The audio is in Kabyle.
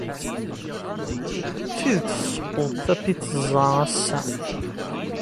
D tidet tessewweḍ-d tapizza ass-a?